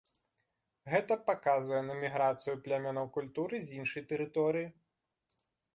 Гэта паказвае на міграцыю плямёнаў культуры з іншай тэрыторыі.